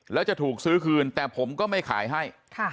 แล้วจะถูกซื้อคืนแต่ผมก็ไม่ขายให้